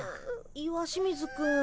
石清水くん。